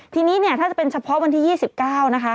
ทีนี้เนี่ยถ้าจะเป็นเฉพาะวันที่๒๙นะคะ